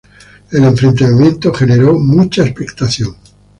El enfrentamiento generó mucha expectación.